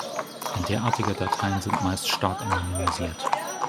Derartige Dateien sind meist stark anonymisiert.